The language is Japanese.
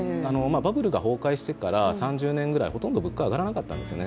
バブルが崩壊してから３０年ぐらいほとんど物価は上がらなかったんですね。